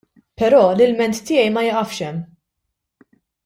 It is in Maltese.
Però l-ilment tiegħi ma jiqafx hemm.